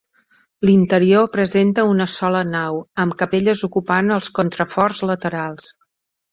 L'interior presenta una sola nau, amb capelles ocupant els contraforts laterals.